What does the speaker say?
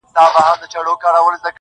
• پرون یې کلی، نن محراب سبا چنار سوځوي -